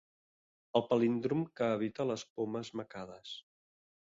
El palíndrom que habita les pomes macades.